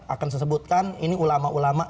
akan saya sebutkan ini ulama ulama